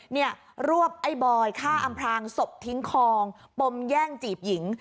เนี่ยรวบไอ้บอยฆ่าอำพลางศพทิ้งคลองปมแย่งจีบหญิง